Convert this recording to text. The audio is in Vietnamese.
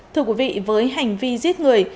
thưa quý vị với hành vi giết người